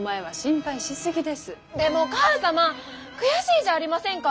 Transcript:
でも母さま悔しいじゃありませんか。